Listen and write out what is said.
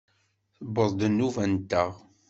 Tewweḍ-d nnuba-nteɣ!